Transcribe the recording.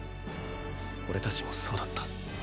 オレたちもそうだった。